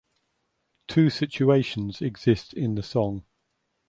Two situations exist in the song.